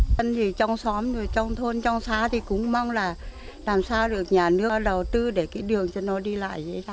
dân thì trong xóm trong thôn trong xá thì cũng mong là làm sao được nhà nước đầu tư để cái đường cho nó đi lại